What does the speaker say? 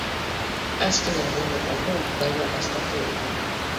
Azken egunetako gaiak aztertu ditu.